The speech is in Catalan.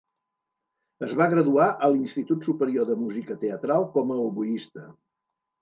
Es va graduar a l'Institut Superior de Música Teatral com a oboista.